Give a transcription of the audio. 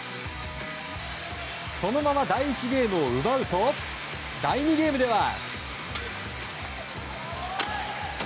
そのまま第１ゲームを奪うと第２ゲームでは。